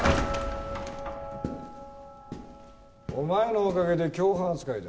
お前のおかげで共犯扱いだ。